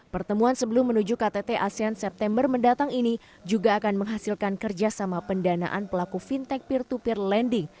pertemuan sebelum menuju ktt asean september mendatang ini juga akan menghasilkan kerjasama pendanaan pelaku fintech peer to peer lending